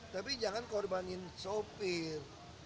tapi jangan korbanin sopir